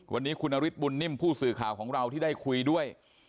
วันนี้คุณนฤทธบุญนิ่มผู้สื่อข่าวของเราที่ได้คุยด้วย